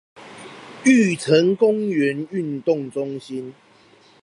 玉成公園運動中心